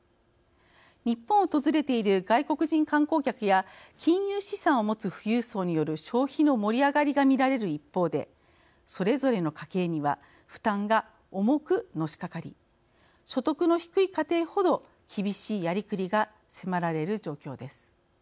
日本を訪れている外国人観光客や金融資産を持つ富裕層による消費の盛り上がりが見られる一方でそれぞれの家計には負担が重くのしかかり所得の低い家庭ほど厳しいやりくりが迫られる状況です。